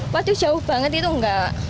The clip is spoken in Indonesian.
waduh jauh banget itu enggak